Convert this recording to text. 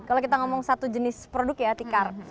kalau kita ngomong satu jenis produk ya tikar